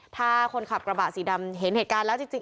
ถ้าคนขับกระบะสีดำเห็นเหตุการณ์แล้วจริง